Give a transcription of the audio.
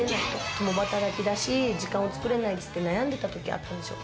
共働きだし、時間を作れないって言って、悩んでたときがあったんですよ。